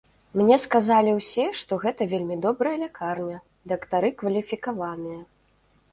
Мне сказалі ўсе, што гэта вельмі добрая лякарня дактары кваліфікаваныя.